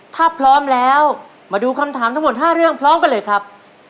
ถ้าพร้อมแล้วมาดูคำถามทั้งหมด๕เรื่องพร้อมกันเลยครับ